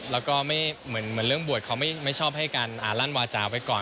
แล้วก็เหมือนเรื่องบวชเขาไม่ชอบให้การลั่นวาจาไว้ก่อน